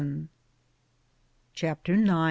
CHAPTER IX.